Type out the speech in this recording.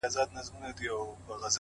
لوړ اخلاق اوږد اغېز پرېږدي؛